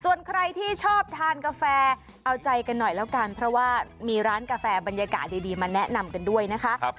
ส่วนใครที่ชอบทานกาแฟเอาใจกันหน่อยแล้วกันเพราะว่ามีร้านกาแฟบรรยากาศดีมาแนะนำกันด้วยนะคะ